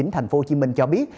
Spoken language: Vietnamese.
tp hcm cho biết